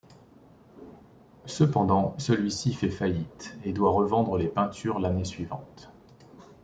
Cependant, celui-ci fait faillite et doit revendre les peintures l'année suivante.